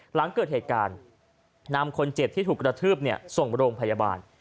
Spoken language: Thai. หลังเกิดเหตุการณ์นำคนเจ็บที่ถูกกระทืบส่งโรงพยาบาล